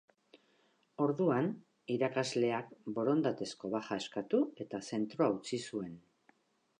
Orduan irakasleak borondatezko baja eskatu eta zentroa utzi zuen.